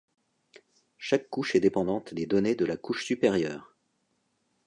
Chaque couche est dépendante des données de la couche supérieure.